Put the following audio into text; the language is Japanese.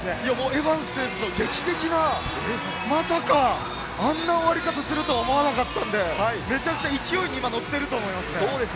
エバンス選手の劇的な、まさか、あんな終わり方するとは思わなかったので、勢いに乗ってると思いますね。